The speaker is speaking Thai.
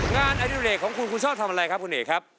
ไอดิเรกของคุณคุณชอบทำอะไรครับคุณเอกครับ